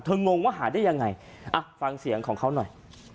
งงว่าหาได้ยังไงอ่ะฟังเสียงของเขาหน่อย